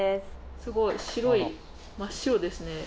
すごい白い真っ白ですね